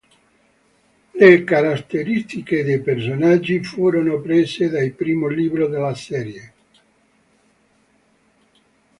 Le caratteristiche dei personaggi furono prese dal primo libro della serie.